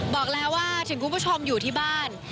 บอกแล้วว่าถึงคุณผู้ชมอยู่ที่บ้าน